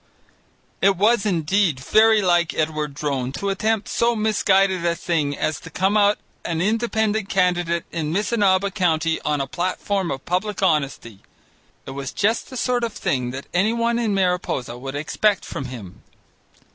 It was indeed very like Edward Drone to attempt so misguided a thing as to come out an Independent candidate in Missinaba County on a platform of public honesty. It was just the sort of thing that anyone in Mariposa would expect from him.